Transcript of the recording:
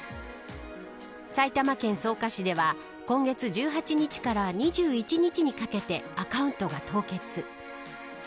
埼玉県草加市では今月１８日から２１日にかけてアカウントが凍結。